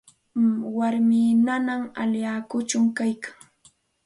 Warmii manam allillakutsu kaykan.